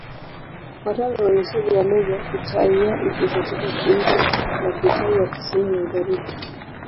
Kufuatana na uainishaji wa lugha, Kitai-Ya iko katika kundi la Kitai ya Kusini-Magharibi.